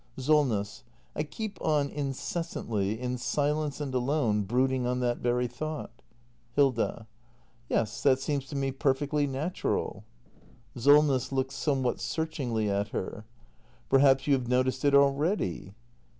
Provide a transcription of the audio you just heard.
SOLNESS. I keep on — incessantly — in silence and alone — brood ing on that very thought. Hilda. Yes, that seems to me perfectly natural. Solness. [Looks somewhat searchingly at her.] Perhaps you have noticed it already